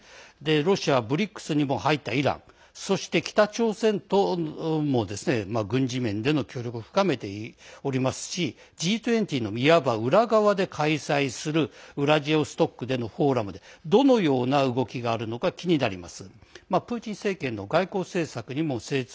ロシアはＢＲＩＣＳにも入ったイランそして、北朝鮮とも軍事面での協力を深めておりますしＧ２０の、いわば裏側で開催するウラジオストクでのフォーラムでどのような動きがあるのか気になります。